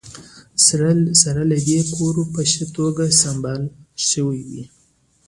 سره له دې کور په ښه توګه سمبال شوی و